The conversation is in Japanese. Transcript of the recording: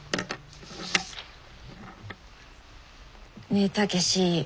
ねえ武志。